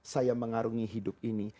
saya mengarungi hidup ini